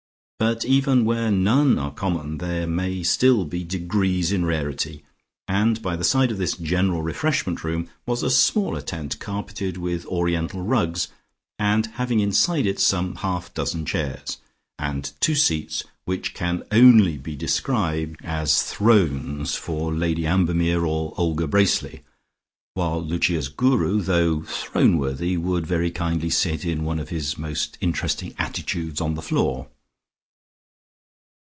But even where none are common there may still be degrees in rarity, and by the side of this general refreshment room was a smaller tent carpeted with Oriental rugs, and having inside it some half dozen chairs, and two seats which can only be described as thrones, for Lady Ambermere or Olga Bracely, while Lucia's Guru, though throneworthy, would very kindly sit in one of his most interesting attitudes on the floor.